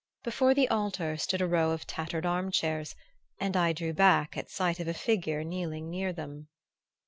Before the altar stood a row of tattered arm chairs, and I drew back at sight of a figure kneeling near them.